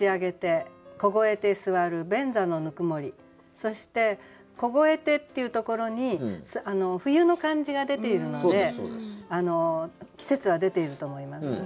そして「凍えて」っていうところに冬の感じが出ているので季節は出ていると思います。